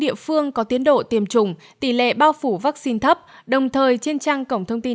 địa phương có tiến độ tiêm chủng tỷ lệ bao phủ vaccine thấp đồng thời trên trang cổng thông tin